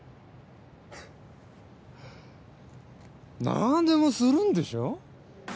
何でもするんでしょ？